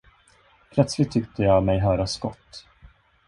Plötsligt tyckte jag mig höra skott.